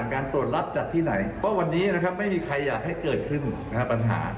ครับ